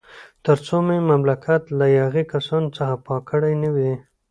تر څو مې مملکت له یاغي کسانو څخه پاک کړی نه وي.